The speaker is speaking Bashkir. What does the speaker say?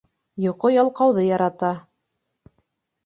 Йоҡо ялҡауҙы ярата.